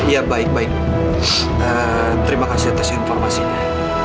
ya baik baik terima kasih atas informasinya